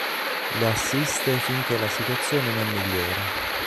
Lo assiste finché la situazione non migliora.